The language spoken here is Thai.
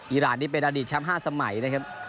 อิราณมีอดีตแชมป์๕สมัยนะครับ